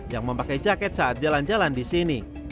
yang memakai jaket saat jalan jalan di sini